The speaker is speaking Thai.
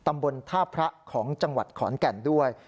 ตำบลท่าพระของจังหวัดขอนแก่นด้วย